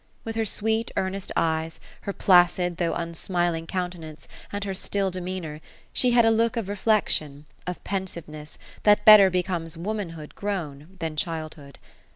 With her sweet, earnest eyes, her placid though unsmiling countenance, and her still demeanor, she had a look of reflection, — of pensiveness, that better becomes womanhood grown, than childhood.